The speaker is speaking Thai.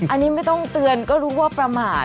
อันนี้ไม่ต้องเตือนก็รู้ว่าประมาท